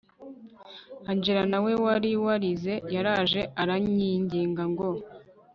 Angel nawe wari warize yaraje aranyinginga ngo